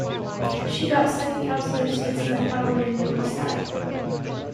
She got seven councillor seats in the Parliament of Novi Sad.